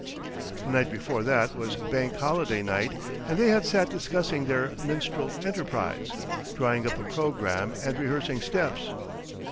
The night before that was Bank Holiday night and they had sat discussing their minstrel enterprise, drawing up a programme and rehearsing steps.